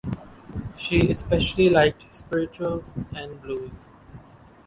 She especially liked spirituals and blues.